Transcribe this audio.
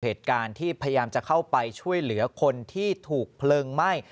เหตุการณ์ที่พยายามจะเข้าไปช่วยเหลือคนที่ถูกเพลิงไหม้